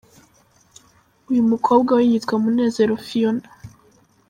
Uyu mukobwa we yitwa Munezero Phionah.